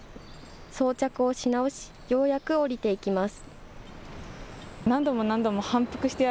装着をし直し、ようやく降りていきます。